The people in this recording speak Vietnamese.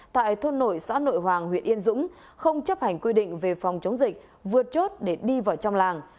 tại thôn nổi xã nội hoàng huyện yên dũng không chấp hành quy định về phòng chống dịch vượt chốt để đi vào trong làng